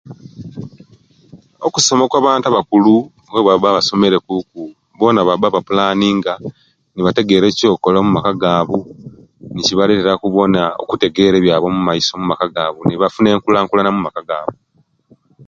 Okusoma kwa bantu abakulu bona ebaba basomere ku ku bona baba bapulanninga nibategera ekyokola bona amaka gabu nikibaletera bon okutegera ekyaba omaiso omumaka gabu nibafuna enkulakulana mu maka gabu